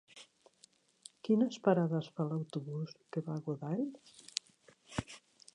Quines parades fa l'autobús que va a Godall?